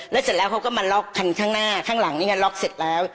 แล้วเสร็จแล้วเขาก็มาล็อกคันข้างหน้าข้างหลังนี่ไงล็อกเสร็จแล้ว